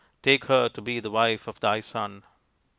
" Take her to be the wife of thy son."